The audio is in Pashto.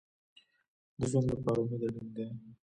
د ژوند لپاره امید اړین دی